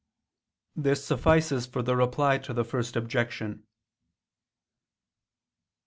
This suffices for the Reply to the First Objection.